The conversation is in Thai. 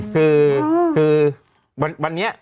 คือวันนี้